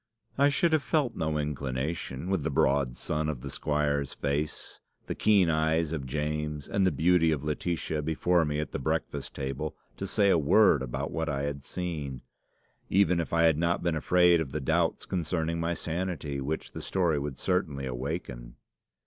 "I should have felt no inclination, with the broad sun of the squire's face, the keen eyes of James, and the beauty of Laetitia before me at the breakfast table, to say a word about what I had seen, even if I had not been afraid of the doubt concerning my sanity which the story would certainly awaken.